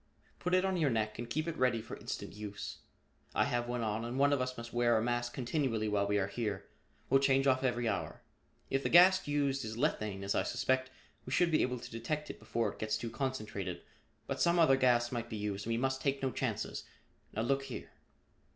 "Put it on your neck and keep it ready for instant use. I have one on and one of us must wear a mask continually while we are here. We'll change off every hour. If the gas used is lethane, as I suspect, we should be able to detect it before its gets too concentrated, but some other gas might be used and we must take no chances. Now look here."